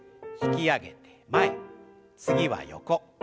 引き上げて前次は横。